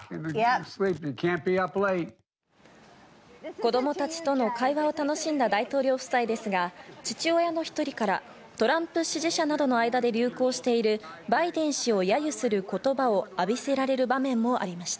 子供たちとの会話を楽しんだ大統領夫妻ですが、父親の１人からトランプ支持者などの間で流行しているバイデン氏を揶揄する言葉を浴びせられる場面もありました。